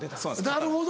なるほど。